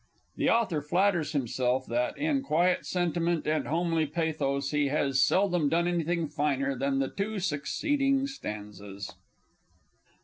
_ (_The author flatters himself that, in quiet sentiment and homely pathos he has seldom done anything finer than the two succeeding stanzas.